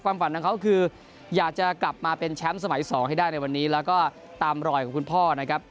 ฝันของเขาคืออยากจะกลับมาเป็นแชมป์สมัย๒ให้ได้ในวันนี้แล้วก็ตามรอยของคุณพ่อนะครับ